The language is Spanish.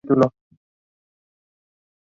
Sin embargo, no llega a la superficie.